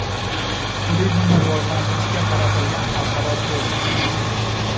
Turizmni rivojlantirishga qaratilgan xalqaro forum